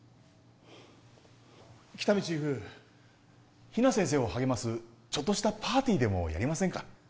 喜多見チーフ比奈先生を励ますちょっとしたパーティーでもやりませんか？